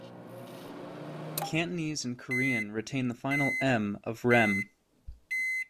Cantonese and Korean retain the final "m" of "remm".